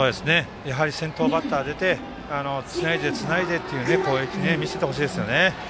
先頭バッターが出てつないで、つないでという攻撃を見せてほしいですね。